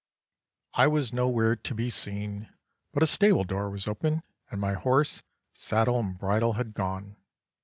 "I was nowhere to be seen; but a stable door was open, and my horse, saddle, and bridle had gone.